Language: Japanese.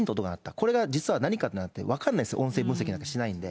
これが実は何かなんて分からないんです、音声分析しないんで。